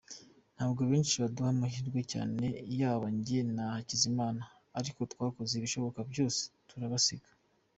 Ntabwo benshi baduhaga amahirwe cyane yaba njye na Hakizimana, ariko twakoze ibishoboka byose turabasiga.